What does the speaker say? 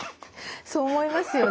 そう思いますよね。